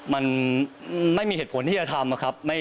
มันไม่มีเหตุผลที่จะทำครับ